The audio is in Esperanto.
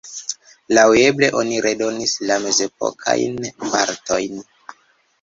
Laŭeble oni redonis la mezepokajn partojn.